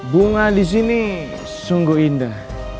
bunga di sini sungguh indah